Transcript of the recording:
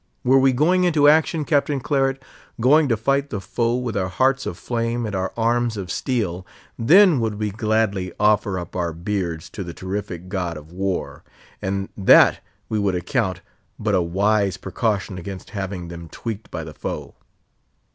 Were we going into action, Captain Claret—going to fight the foe with our hearts of flame and our arms of steel, then would we gladly offer up our beards to the terrific God of War, and that we would account but a wise precaution against having them tweaked by the foe.